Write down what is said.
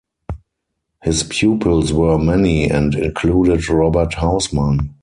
His pupils were many, and included Robert Hausmann.